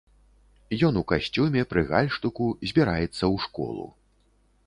Ён у касцюме, пры гальштуку, збіраецца ў школу.